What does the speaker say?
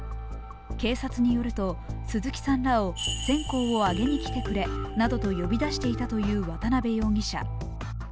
警察によると鈴木さんらを線香にあげに来てくれなどと呼び出していたという渡辺容疑者。